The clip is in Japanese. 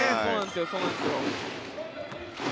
そうなんですよ。